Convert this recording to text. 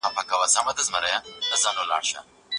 کمپيوټر سَبټايتل ور اضافه کوي.